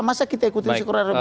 masa kita ikutin sekurang kurangnya